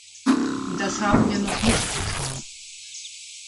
Und das haben wir noch nicht getan.